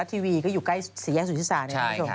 พี่มีถ่ายรู้มั้ย